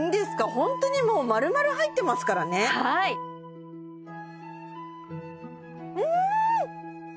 ホントにもう丸々入ってますからねはいうん！